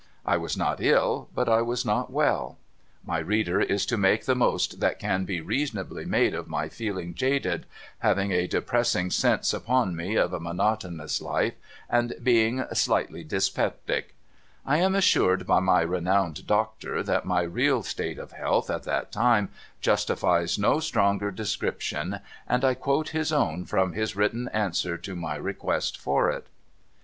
I was not ill, but I was not well. My reader is to make the most that can be reasonably made of my feeling jaded, having a depressing sense upon me of a monotonous life, and being ' slightly dyspeptic' I am assured by my renowned doctor that my real state of health at that time justifies no stronger description, and I quote his own from his written answer to my request for it.